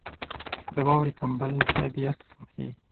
• د واورې کمبل طبیعت پوښي.